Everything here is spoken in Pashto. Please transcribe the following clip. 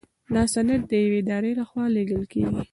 دا سند د یوې ادارې لخوا لیږل کیږي.